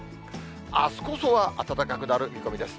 あすこそは暖かくなる見込みです。